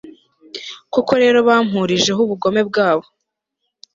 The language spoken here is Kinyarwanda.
koko rero bampurijeho ubugome bwabo